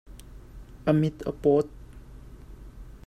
A mit a pawt.